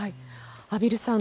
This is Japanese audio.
畔蒜さん